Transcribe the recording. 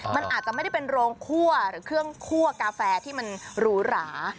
มันอาจจะไม่ได้เป็นโรงคั่วหรือเครื่องคั่วกาแฟที่มันหรูหรา